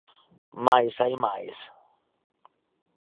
Mais hai máis.